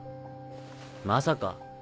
まさか。